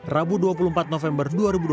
rabu dua puluh empat november dua ribu dua puluh